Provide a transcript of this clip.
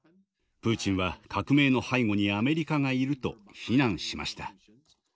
プーチンは革命の背後にアメリカがいると非難しました。